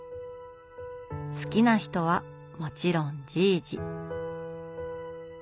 好きな人はもちろん「じいじ」。